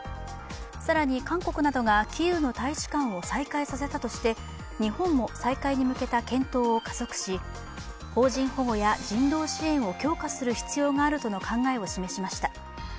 更に、韓国などがキーウの大使館を再開させたとして日本も再開に向けた検討を加速し、邦人保護や人道支援を強化する必要があるとの考えを示しました。